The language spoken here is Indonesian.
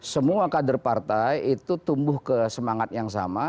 semua kader partai itu tumbuh ke semangat yang sama